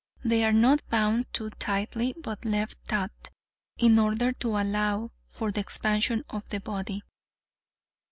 They are not bound too tightly, but left taut in order to allow for the expansion of the body.